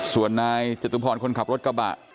ส่วนนายจตุพรคนขับรถกระบะ